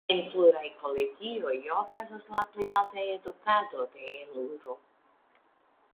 En pluraj kolegioj okazas la plej alta edukado en Eluru.